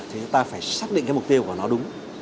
thì chúng ta phải xác định cái mục tiêu của nó đúng